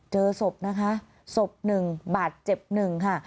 เจอศพนะคะศพ๑บาทเจ็บ๑ค่ะ